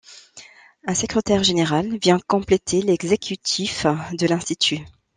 Un secrétaire général vient compléter l'exécutif de l'Institut.